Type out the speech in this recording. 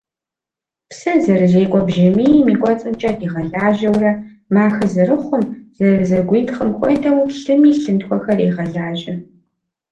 Псыр зэрызекӏуэ бжьамийм и кӏуэцӏымкӏэ къигъэлажьэурэ махэ зэрыхъум, зэрызэгуитхъым хуэдэу, лъыми лъынтхуэхэр егъэлажьэ.